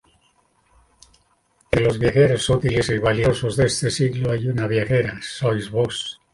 Entre los viajeros útiles y valerosos de este siglo hay una viajera: sois vos.